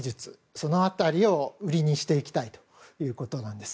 その辺りを売りにしていきたいということです。